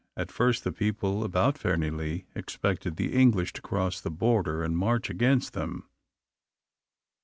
At first the people about Fairnilee expected the English to cross the Border and march against them.